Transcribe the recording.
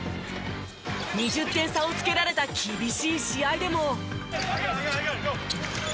２０点差をつけられた厳しい試合でも。